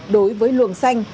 đối với luồng xanh